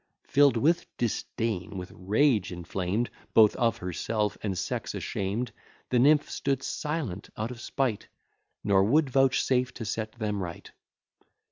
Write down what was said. Filled with disdain, with rage inflamed Both of herself and sex ashamed, The nymph stood silent out of spite, Nor would vouchsafe to set them right.